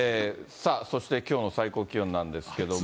さあ、そしてきょうの最高気温なんですけども。